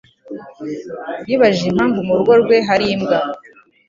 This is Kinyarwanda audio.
yibajije impamvu mu rugo rwe hari imbwa.